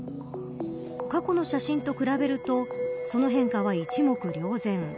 過去の写真と比べるとその変化は一目瞭然。